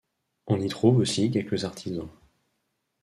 On y trouve aussi quelques artisans.